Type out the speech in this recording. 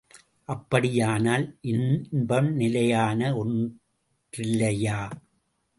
அப்படியானால் இன்பம் நிலையான ஒன்றில்லையா?